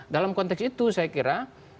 dalam konteks itu saya kira